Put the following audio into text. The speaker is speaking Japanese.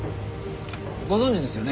ご存じですよね？